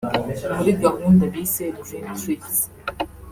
muri gahunda bise ‘Dream Trips’